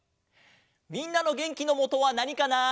みんなのげんきのもとはなにかな？